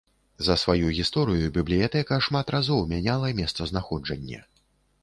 За сваю гісторыю бібліятэка шмат разоў мяняла месцазнаходжанне.